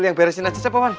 yang beresin aja cepopon